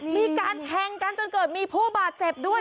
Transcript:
มีการแทงกันจนเกิดมีผู้บาดเจ็บด้วย